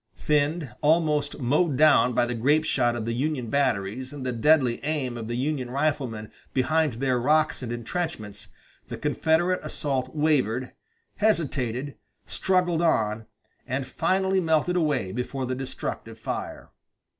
Thinned, almost mowed down by the grape shot of the Union batteries and the deadly aim of the Union riflemen behind their rocks and intrenchments the Confederate assault wavered, hesitated, struggled on, and finally melted away before the destructive fire.